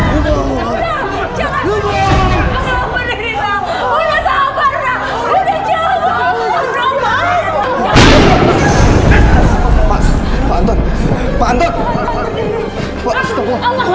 ya allah ya allah